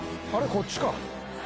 こっちか。